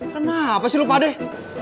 kenapa sih lu padeh